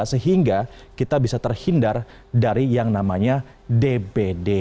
sehingga kita bisa terhindar dari yang namanya dbd